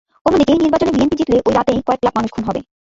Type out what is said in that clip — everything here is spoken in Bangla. অন্যদিকে নির্বাচনে বিএনপি জিতলে ওই রাতেই কয়েক লাখ মানুষ খুন হবে।